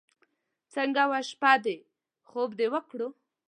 څنګه وه شپه دې؟ خوب دې وکړو.